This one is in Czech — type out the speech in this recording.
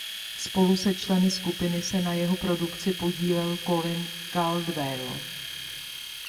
Spolu se členy skupiny se na jeho produkci podílel Colin Caldwell.